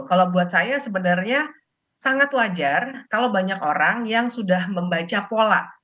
kalau buat saya sebenarnya sangat wajar kalau banyak orang yang sudah membaca pola